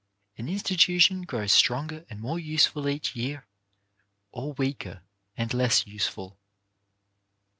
An institution grows stronger and more useful each year, or weaker and less useful.